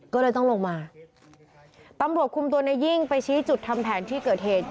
ก็เลยต้องลงมาตำรวจคุมตัวในยิ่งไปชี้จุดทำแผนที่เกิดเหตุ